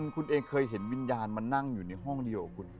คุณเองเคยเห็นวิญญาณมานั่งอยู่ในห้องเดียวกับคุณ